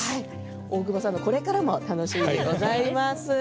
大久保さんのこれからも楽しみでございます。